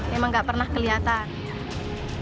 memang nggak pernah kelihatan